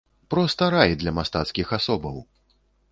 Проста рай для мастацкіх асобаў!